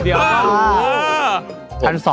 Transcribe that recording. เดี๋ยว